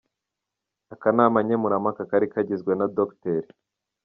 Akanama nkemurampaka kari kagizwe na Dr.